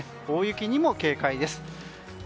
大雪にも警戒です。